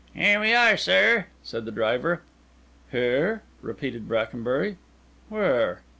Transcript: "Here we are, sir," said the driver. "Here!" repeated Brackenbury. "Where?"